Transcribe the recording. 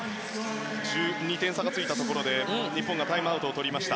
１２点差がついたところで日本がタイムアウトをとりました。